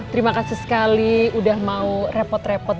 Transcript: terima kasih sekali udah mau repot repot